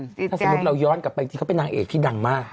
ถ้าสมมุติเราย้อนกลับไปจริงเขาเป็นนางเอกที่ดังมาก